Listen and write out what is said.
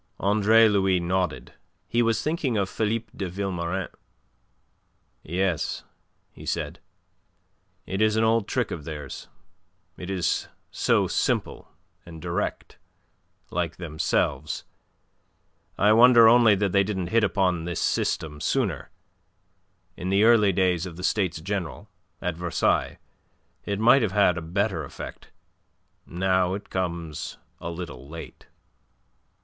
Andre Louis nodded. He was thinking of Philippe de Vilmorin. "Yes," he said, "it is an old trick of theirs. It is so simple and direct like themselves. I wonder only that they didn't hit upon this system sooner. In the early days of the States General, at Versailles, it might have had a better effect. Now, it comes a little late."